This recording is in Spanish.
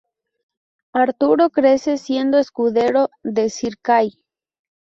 Arturo crece siendo escudero de Sir Kay.